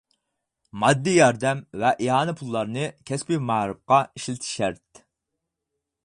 ماددىي ياردەم ۋە ئىئانە پۇللارنى كەسپىي مائارىپقا ئىشلىتىش شەرت.